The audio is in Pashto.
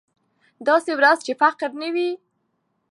داسې ورځ چې فقر نه وي.